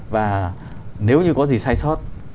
và nếu như có gì sai sót